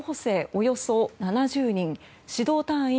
およそ７０人指導隊員